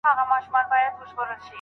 ایا لارښود باید د مقالې املا سمه کړي؟